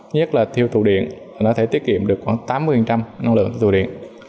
nhất là thiêu tụ điện nó có thể tiết kiệm được khoảng tám mươi năng lượng từ tụ điện